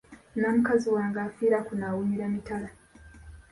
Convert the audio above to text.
Nnina mukazi wange afiira kuno awunyira mitala.